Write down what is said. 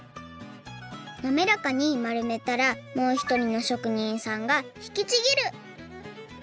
なめらかにまるめたらもうひとりのしょくにんさんが引きちぎる！